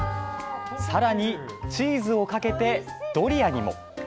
さらにチーズをかけてドリアにも。